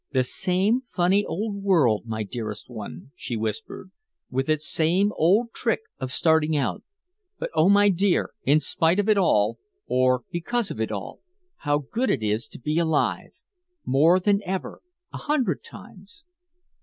"The same funny old world, my dearest one," she whispered, "with its same old trick of starting out. But oh my dear, in spite of it all or because of it all how good it is to be alive! More than ever a hundred times!"